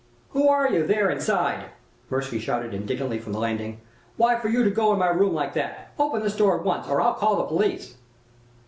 "'Who are you, there, inside?' Mirsky shouted indignantly from the landing. 'Why for you go in my room like that? Open this door at once, or I call the police!'